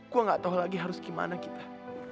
gue gak tau lagi harus gimana kita